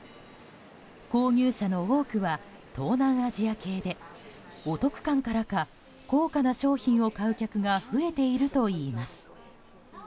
購入者の多くは東南アジア系でお得感からか高価な商品を買う客が増えているといいます。